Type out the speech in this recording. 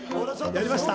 やりました！